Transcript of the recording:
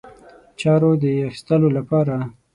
چارو د اخیستلو لپاره.